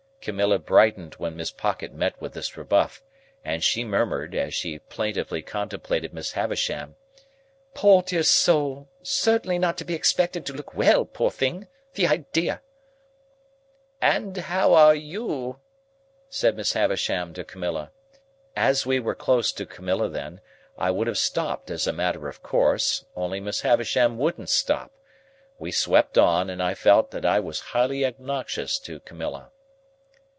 Camilla brightened when Miss Pocket met with this rebuff; and she murmured, as she plaintively contemplated Miss Havisham, "Poor dear soul! Certainly not to be expected to look well, poor thing. The idea!" "And how are you?" said Miss Havisham to Camilla. As we were close to Camilla then, I would have stopped as a matter of course, only Miss Havisham wouldn't stop. We swept on, and I felt that I was highly obnoxious to Camilla.